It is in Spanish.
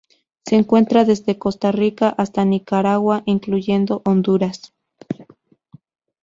Se encuentra desde Costa Rica hasta Nicaragua, incluyendo Honduras.